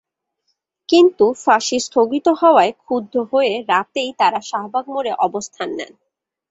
কিন্তু ফাঁসি স্থগিত হওয়ায় ক্ষুব্ধ হয়ে রাতেই তাঁরা শাহবাগ মোড়ে অবস্থান নেন।